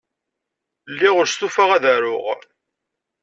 Lliɣ ur stufaɣ ad aruɣ.